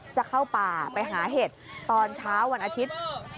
จะเข้าป่าไปหาเห็ดตอนเช้าวันอาทิตย์